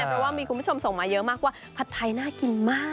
เพราะว่ามีคุณผู้ชมส่งมาเยอะมากว่าผัดไทยน่ากินมาก